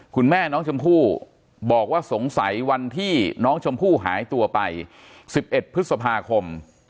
คุณแม่น้องชมพู่บอกว่าสงสัยวันที่น้องชมพู่หายตัวไป๑๑พฤษภาคม